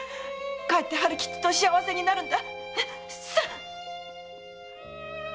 帰って春吉と幸せになるんだ！